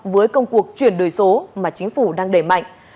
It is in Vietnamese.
với công cuộc chuyển đổi số mà chính phủ đang đẩy mạnh